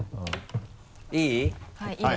いい？